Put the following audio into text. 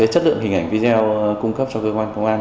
chất lượng hình ảnh video cung cấp cho cơ quan công an